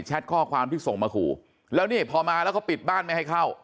ข้อความที่ส่งมาขู่แล้วนี่พอมาแล้วเขาปิดบ้านไม่ให้เข้า